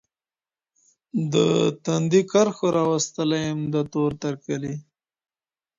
د تندې کرښو راوستلی یم د تور تر کلي